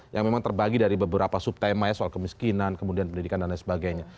yang memang terbagi dari beberapa subtema ya soal kemiskinan kemudian pendidikan dan lain sebagainya